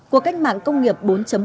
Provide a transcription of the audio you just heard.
cuộc cách mạng công nghiệp bốn